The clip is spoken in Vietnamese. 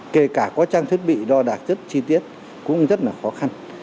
kể cả có trang thiết bị đo đạc rất chi tiết cũng rất là khó khăn